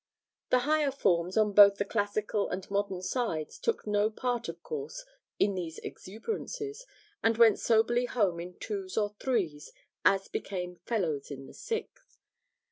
The higher forms on both the classical and modern sides took no part of course in these exuberances, and went soberly home in twos or threes, as became 'fellows in the Sixth.'